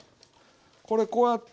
これこうやって。